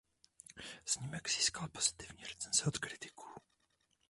Snímek získal pozitivní recenze od kritiků.